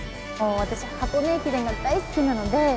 もう私、箱根駅伝が大好きなので。